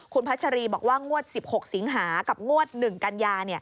คุณพัชรีบอกว่างวด๑๖สิงหากับงวด๑กันยา